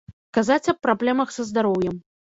Казаць аб праблемах са здароўем.